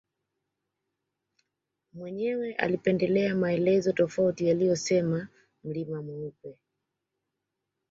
Mwenyewe alipendelea maelezo tofauti yaliyosema mlima mweupe